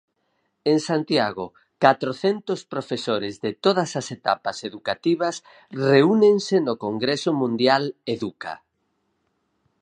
En Santiago, catrocentos profesores de todas as etapas educativas reúnense no congreso mundial Educa.